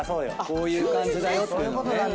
こういう感じだよっていうのをね。